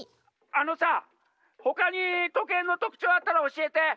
☎あのさほかにとけいのとくちょうあったらおしえて！